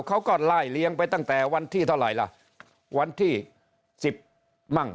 เขาก็ไล่เลี้ยงไปตั้งแต่วันที่เท่าไหร่ล่ะวันที่สิบมั่ง